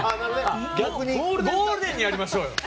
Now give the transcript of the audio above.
ゴールデンにやりましょうよ。